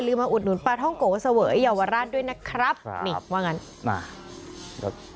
เราก็ขายของตัวเองต่อ